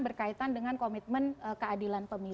berkaitan dengan komitmen keadilan pemilu